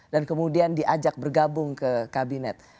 dan kemudian diajak bergabung ke kabinet